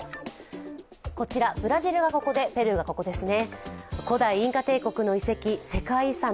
こちらブラジルはここでペルーはここですね。